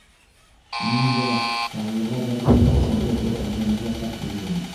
Мин дә Таллыға барғанда ошондай бер әңгәмәгә тап булдым.